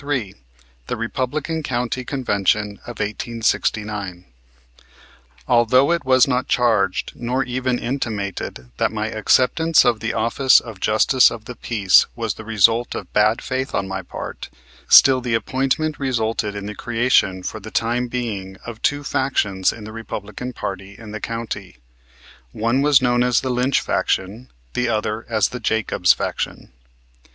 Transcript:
CHAPTER III THE REPUBLICAN COUNTY CONVENTION OF 1869 Although it was not charged nor even intimated that my acceptance of the office of Justice of the Peace was the result of bad faith on my part, still the appointment resulted in the creation for the time being of two factions in the Republican party in the county. One was known as the Lynch faction, the other as the Jacobs faction.